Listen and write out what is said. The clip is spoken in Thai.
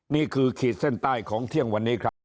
ขีดเส้นใต้ของเที่ยงวันนี้ครับ